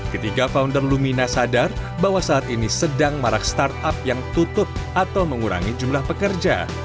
ketiga founder lumina sadar bahwa saat ini sedang marak startup yang tutup atau mengurangi jumlah pekerja